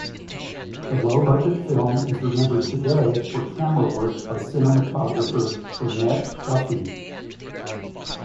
The low-budget film is remembered today for camera work by cinematographer Burnett Guffey.